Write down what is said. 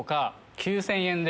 ９０００円で。